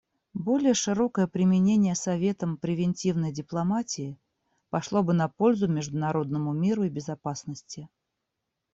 Более широкое применение Советом превентивной дипломатии пошло бы на пользу международному миру и безопасности.